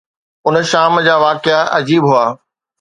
ان شام جا واقعا عجيب هئا.